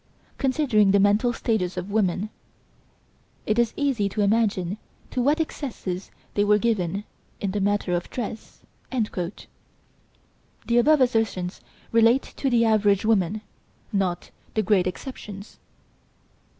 Considering the mental status of the women, it is easy to imagine to what excesses they were given in the matter of dress." The above assertions relate to the average woman, not the great exceptions.